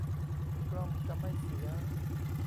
กล้องจะไม่เสีย